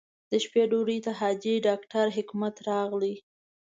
د شپې ډوډۍ ته حاجي ډاکټر حکمت راغی.